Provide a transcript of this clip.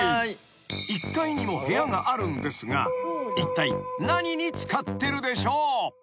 ［１階にも部屋があるんですがいったい何に使ってるでしょう？］